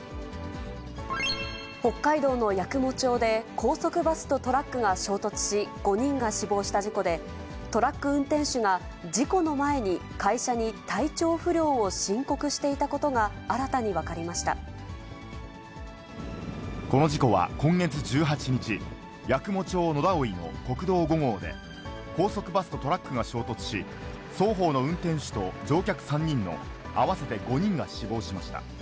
北海道の八雲町で高速バスとトラックが衝突し、５人が死亡した事故で、トラック運転手が、事故の前に会社に体調不良を申告していたことが新たに分かりましこの事故は今月１８日、八雲町野田生の国道５号で、高速バスとトラックが衝突し、双方の運転手と乗客３人の合わせて５人が死亡しました。